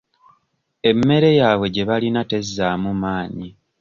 Emmere yaabwe gye balina tezzaamu maanyi.